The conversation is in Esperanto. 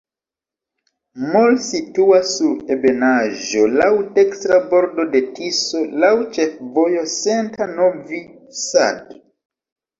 Mol situas sur ebenaĵo, laŭ dekstra bordo de Tiso, laŭ ĉefvojo Senta-Novi Sad.